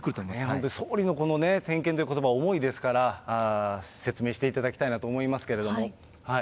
本当に総理の点検ということば、重いですから、説明していただきたいなと思いますけれども。